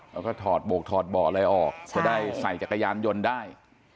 แล้วก็ถอดโบกถอดเบาะอะไรออกจะได้ใส่จักรยานยนต์ได้